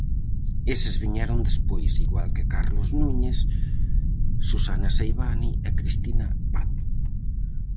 Eses viñeron despois, igual que Carlos Núñez, Susana Seivane e Cristina Pato...